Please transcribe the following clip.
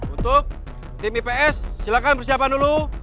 untuk tim ips silakan persiapan dulu